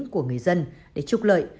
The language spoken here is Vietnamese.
của người dân để trục lợi